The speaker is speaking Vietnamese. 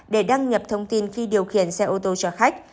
để đăng nhập thông tin khi điều khiển xe ô tô chở khách